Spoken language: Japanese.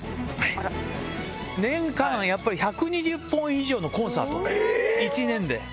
年間やっぱり１２０本以上のコンサート、１年で。